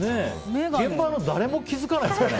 現場の誰も気づかないんですか？